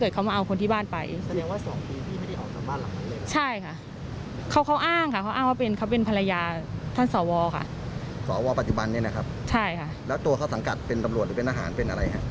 แล้วตัวเขาสังกัดเป็นตำรวจหรือเป็นทหารเป็นอะไรค่ะ